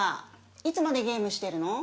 いつまでゲームしてるの？